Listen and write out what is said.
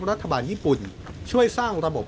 รัฐบาลญี่ปุ่นช่วยสร้างระบบ